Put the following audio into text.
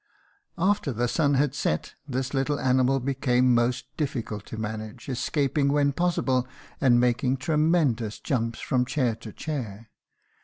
After the sun had set this little animal became most difficult to manage, escaping when possible and making tremendous jumps from chair to chair.